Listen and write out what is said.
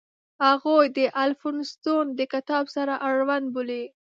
هغوی د الفونستون د کتاب سره اړوند بولي.